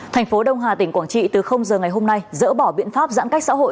thành phố đông hà tỉnh quảng trị từ giờ ngày hôm nay dỡ bỏ biện pháp giãn cách xã hội